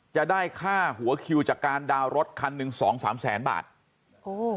จะได้ค่าหัวคิวจากการดาวน์รถคันหนึ่งสองสามแสนบาทโอ้